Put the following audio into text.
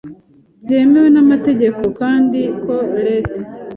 byemewe n’emetegeko, kendi ko Lete